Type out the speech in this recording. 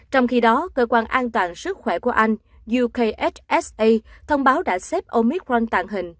trong khi đó cơ quan an toàn sức khỏe của anh ukhsa thông báo đã xếp omicron tàng hình